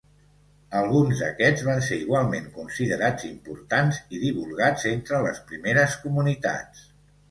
Alguns d'aquests van ser igualment considerats importants i divulgats entre les primeres comunitats.